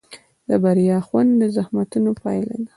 د بریا خوند د زحمتونو پایله ده.